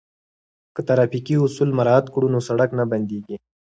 که ترافیکي اصول مراعات کړو نو سړک نه بندیږي.